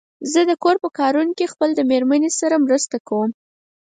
زه د کور په کارونو کې خپل د مېرمن سره مرسته کوم.